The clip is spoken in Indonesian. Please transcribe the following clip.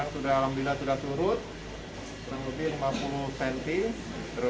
sekarang alhamdulillah sudah surut